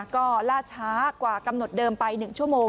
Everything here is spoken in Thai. ก็ล่าช้ากว่ากำหนดเดิมไป๑ชั่วโมง